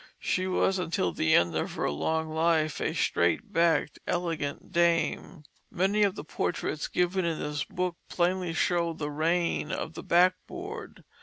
She was until the end of her long life a straight backed elegant dame. Many of the portraits given in this book plainly show the reign of the backboard.